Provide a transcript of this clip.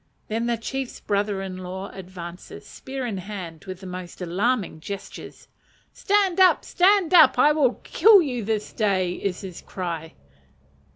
Then the chief's brother in law advances, spear in hand, with the most alarming gestures. "Stand up! stand up! I will kill you this day," is his cry.